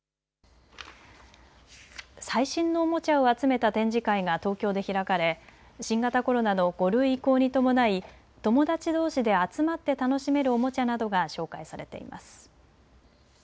最新のおもちゃを集めた展示会が東京で開かれ新型コロナの５類移行に伴い友達どうしで集まって楽しめるおもちゃなどが紹介されています。